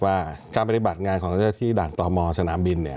ความธรรมไปลี็บัตรงานของทีหลักตอนมอสนามบิล